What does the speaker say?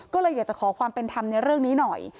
ก็เลยอยากจะขอความเป็นธรรมในเรื่องนี้หน่อย